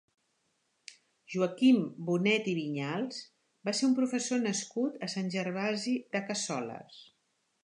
Joaquim Bonet i Vinyals va ser un professor nascut a Sant Gervasi de Cassoles.